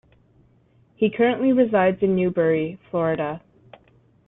He currently resides in Newberry, Florida.